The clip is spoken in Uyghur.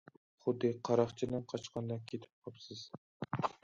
خۇددى قاراقچىدىن قاچقاندەك كېتىپ قاپسىز.